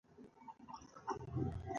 بزګر د ستر کار کوچنی نوم دی